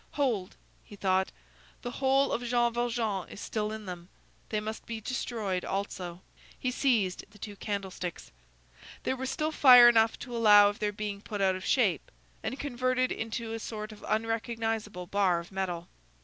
"Hold!" he thought; "the whole of Jean Valjean is still in them. They must be destroyed also." He seized the two candlesticks. There was still fire enough to allow of their being put out of shape, and converted into a sort of unrecognizable bar of metal.